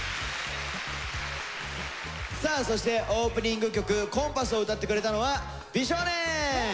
さあそしてオープニング曲「Ｃｏｍｐａｓｓ」を歌ってくれたのは美少年。